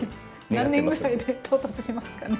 何年ぐらいで到達しますかね。